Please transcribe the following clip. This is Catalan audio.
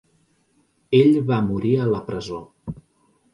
Ell va morir a la presó.